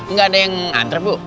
nggak ada yang nganter bu